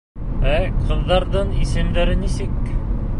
Ә ҡыҙҙарҙың исемдәре нисек?